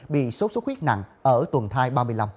bị sốt xuất huyết nặng ở tuần thai ba mươi năm